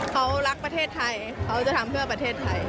เขารักประเทศไทยเขาจะทำเพื่อประเทศไทย